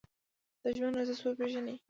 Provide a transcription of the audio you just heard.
د ژوند ارزښت وپیژنئ